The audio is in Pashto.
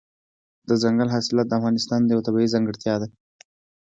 دځنګل حاصلات د افغانستان یوه طبیعي ځانګړتیا ده.